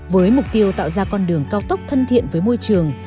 với mục tiêu tạo ra con đường cao tốc thân thiện với môi trường